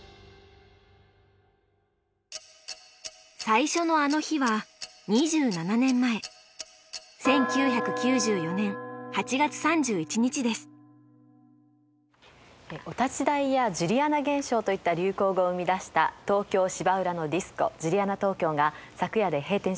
最初の「あの日」は２７年前「お立ち台」や「ジュリアナ現象」といった流行語を生み出した東京・芝浦のディスコジュリアナ東京が昨夜で閉店しました。